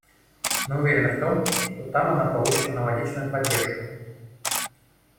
Мы уверены в том, что там она получит аналогичную поддержку.